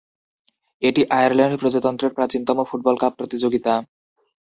এটি আয়ারল্যান্ড প্রজাতন্ত্রের প্রাচীনতম ফুটবল কাপ প্রতিযোগিতা।